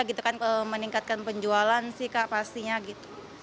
gitu kan meningkatkan penjualan sih kak pastinya gitu